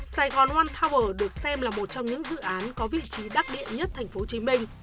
sài gòn one tower được xem là một trong những dự án có vị trí đắc địa nhất tp hcm